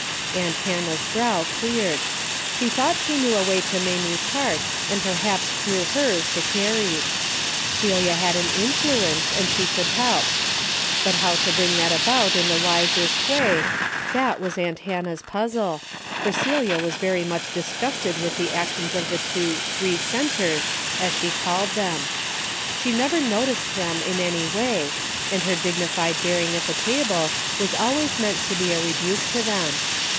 Aunt Hannah's brow cleared. She thought she knew a way to Mamie's heart and perhaps through hers to Carrie's. Celia had an influ ence and she could help. But how to bring that about in the wisest way, that was aunt Hannah's puzzle, for Celia was very much dis gusted! with the actions of the two "three centers " as she called them. She never noticed them in any way, and her dignified bearing at the table was always meant to be a rebuke to them.